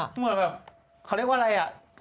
เหมือนแหละกับเขาเรียกว่าอะไร